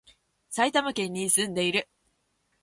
埼玉県に、住んでいる